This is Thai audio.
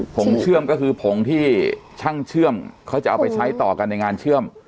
งเชื่อมก็คือผงที่ช่างเชื่อมเขาจะเอาไปใช้ต่อกันในงานเชื่อม